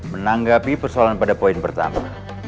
menanggapi persoalan pada poin pertama